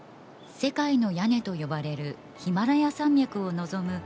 世界の屋根と呼ばれるヒマラヤ山脈を望む